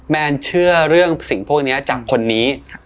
แนนเชื่อเรื่องสิ่งพวกนี้จากคนนี้